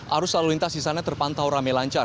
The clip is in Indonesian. arus halintas di sana terpantau rame lancar